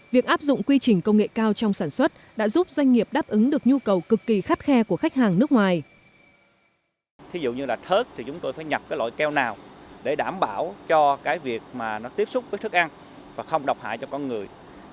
việc áp dụng quy trình công nghệ cao trong sản xuất đã giúp doanh nghiệp đáp ứng được nhu cầu cực kỳ khắt khe của khách hàng nước ngoài